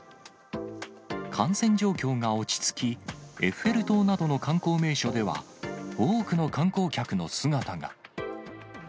感染状況が落ち着き、エッフェル塔などの観光名所では、多くの観光客の姿が。